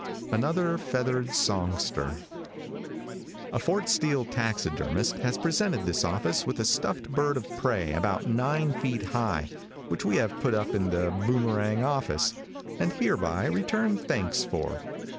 ANOTHER FEATHERED SONGSTER |A FORT STEELE taxidermist has presented this office with a stuffed bird of prey about nine feet high, which we have put up in The Boomerang office, and hereby return thanks for.